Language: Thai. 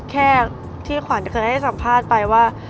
แค่ที่ขวัญเคยให้สัมภาษณ์ไปว่า